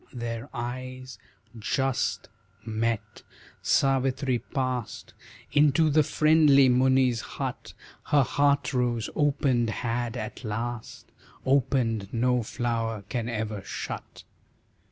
Their eyes just met, Savitri past Into the friendly Muni's hut, Her heart rose opened had at last Opened no flower can ever shut.